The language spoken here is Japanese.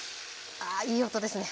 あいい音ですね。